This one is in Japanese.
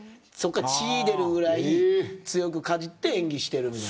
そっから血出るぐらい強くかじって演技してる。